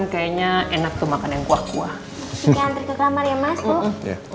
karena orang hamil kan kayaknya enak tuh makan yang kuah kuah